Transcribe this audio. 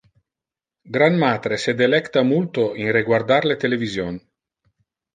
Granmatre se delecta multo in reguardar le television.